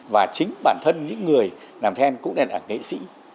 và chính bản thân những người làm then cũng nên là nghệ sĩ